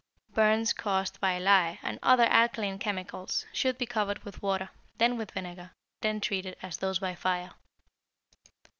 Burns caused by lye, and other alkaline chemicals, should be covered with water, then with vinegar, and then treated as those by fire.